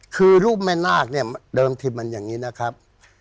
คือรูปแม่นาคเนี่ยเดิมที่มันอย่างนี้นะครับ